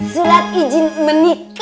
sulat izin menikah